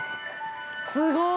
◆すごい。